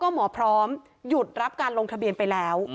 หยุดรับการลงทะเบียนไปแล้ว